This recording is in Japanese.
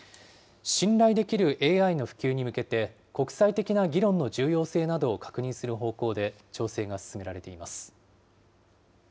信頼できるＡＩの普及に向けて、国際的な議論の重要性などを確認する方向で調整が進められています。